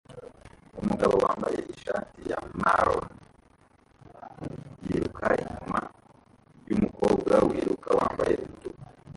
Umugabo wambaye ishati ya maroon yiruka inyuma yumukobwa wiruka wambaye umutuku